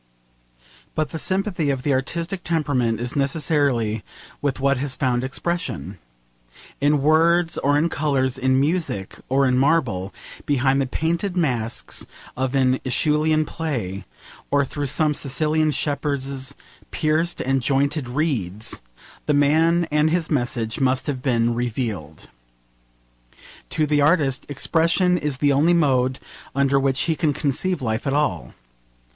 But the sympathy of the artistic temperament is necessarily with what has found expression. In words or in colours, in music or in marble, behind the painted masks of an AEschylean play, or through some Sicilian shepherds' pierced and jointed reeds, the man and his message must have been revealed. To the artist, expression is the only mode under which he can conceive life at all.